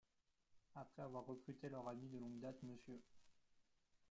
Après avoir recruté leur ami de longue date Mr.